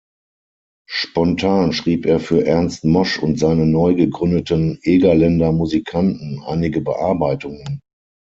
Spontan schrieb er für Ernst Mosch und seine neu gegründeten „Egerländer Musikanten“ einige Bearbeitungen.